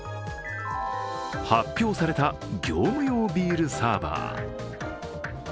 発表された業務用ビールサーバー。